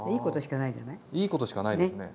いいことしかないですね。